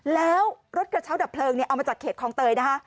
แล้วรถกระเช้าดับเพลิงเนี่ยเอามาจากเขตคลองเตยนะคะ